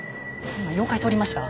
今妖怪通りました？